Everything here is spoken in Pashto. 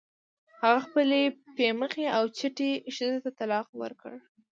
هغه خپلې پی مخې او چټې ښځې ته طلاق ورکړ.